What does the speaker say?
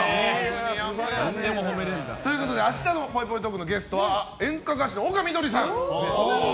明日のぽいぽいトークのゲストは演歌歌手の丘みどりさん。